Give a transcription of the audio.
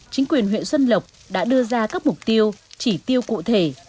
chính quyền huyện xuân lộc đã đưa ra các mục tiêu chỉ tiêu cụ thể